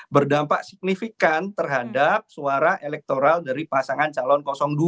berdampak signifikan terhadap suara elektoral dari pasangan calon dua